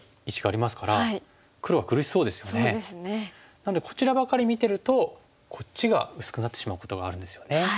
なのでこちらばかり見てるとこっちが薄くなってしまうことがあるんですよね。